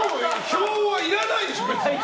票はいらないでしょ！